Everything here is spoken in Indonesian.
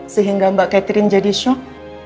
sehingga mbak catherine jadi shock